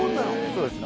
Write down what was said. そうです。